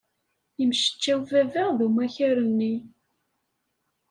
Yemmecčaw baba d umakar-nni.